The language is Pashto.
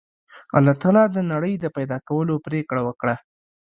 الله تعالی د نړۍ د پیدا کولو پرېکړه وکړه